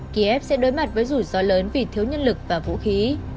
kiev sẽ đối mặt với rủi ro lớn vì thiếu nhân lực và vũ khí